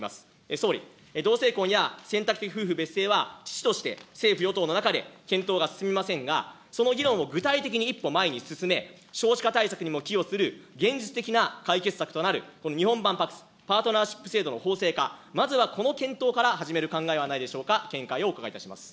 総理、同性婚や選択的夫婦別姓は遅々として政府・与党の中で検討が進みませんが、その議論を具体的に一歩前に進め、少子化対策にも寄与する現実的な解決策となるこの日本版パクス、パートナーシップ制度の法制化、まずはこの検討から始める考えはないでしょうか、見解をお伺いいたします。